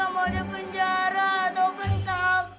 wajahnya udah berangin aja